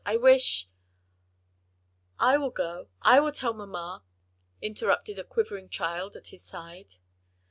I wish " "I will go, I will tell mamma," interrupted a quivering child voice at his side.